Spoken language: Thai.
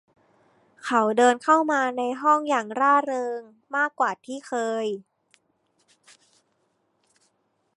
เขาเดินเข้ามาในห้องอย่างร่าเริงมากกว่าที่เคย